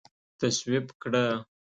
تصویب کړه